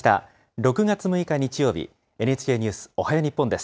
６月６日日曜日、ＮＨＫニュースおはよう日本です。